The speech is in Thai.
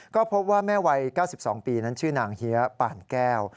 ก็พบว่าแม่วัย๙๒ปีนั้นชื่อนางเฮียป่านแก้ว